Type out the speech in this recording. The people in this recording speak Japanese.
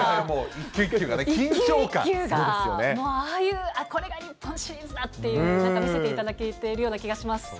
一球一球、ああいう、これが日本シリーズだっていうのを、なんか見せていただけているような気がします。